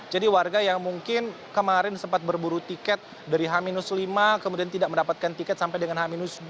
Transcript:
warga yang mungkin kemarin sempat berburu tiket dari h lima kemudian tidak mendapatkan tiket sampai dengan h dua